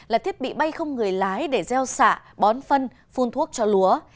là thiết bị bay không người lái để gieo xạ bó bón phân phun thuốc cho lúa